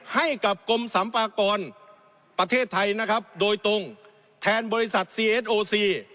ให้กับกรมสรรพากรประเทศไทยนะครับโดยตรงแทนบริษัทซีเอสโอซี